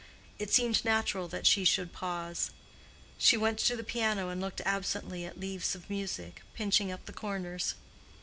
It seemed natural that she should pause. She went to the piano and looked absently at leaves of music, pinching up the corners.